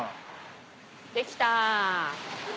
できた！